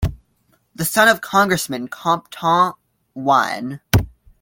The son of Congressman Compton I.